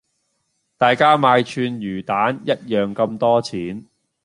大家買串魚蛋一樣咁多錢